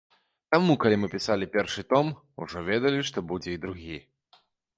Таму калі мы пісалі першы том, ужо ведалі, што будзе і другі.